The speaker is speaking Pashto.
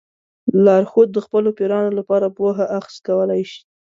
لارښود د خپلو پیروانو لپاره پوهه اخذ کولی شي.